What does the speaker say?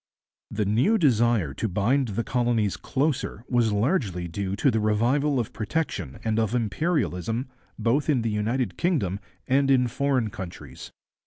The new desire to bind the colonies closer was largely due to the revival of protection and of imperialism both in the United Kingdom and in foreign countries.